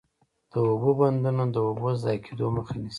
د اوبو بندونه د اوبو د ضایع کیدو مخه نیسي.